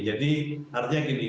jadi artinya gini